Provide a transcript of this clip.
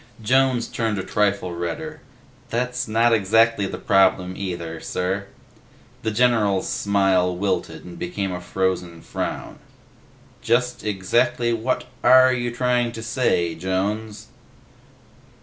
Jones turned a trifle redder. "That's not exactly the problem, either, sir." The general's smile wilted and became a frozen frown. "Just exactly what are you trying to say, Jones?"